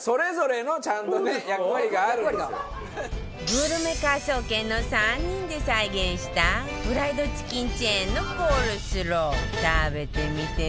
グルメ科捜研の３人で再現したフライドチキンチェーンのコールスロー食べてみて